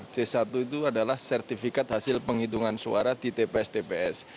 c satu itu adalah sertifikat hasil penghitungan suara di tps tps